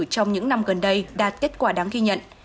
trong những năm gần đây đạt kết quả đáng ghi nhận